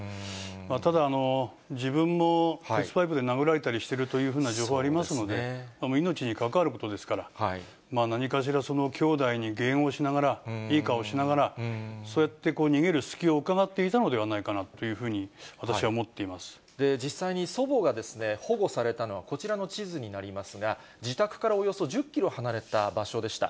ただ、自分も鉄パイプで殴られたりしているという情報ありますので、命に関わることですから、何かしら、きょうだいに迎合しながら、いい顔しながら、そうやって逃げるすきをうかがっていたのではないかというふうに実際に祖母が保護されたのは、こちらの地図になりますが、自宅からおよそ１０キロ離れた場所でした。